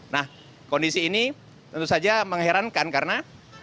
nah kondisi ini tentu saja mengherankan karena